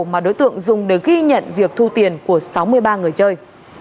mà đối tượng dùng để ghi nhận việc thu tiền của sáu mươi ba người chơi